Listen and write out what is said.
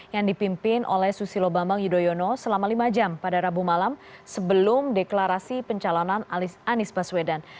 yang dipimpin oleh susilo bambang yudhoyono selama lima jam pada rabu malam sebelum deklarasi pencalonan anies baswedan